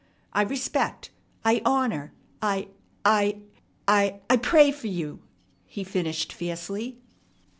I respect, I honor, I I I pray for you!" he finished fiercely.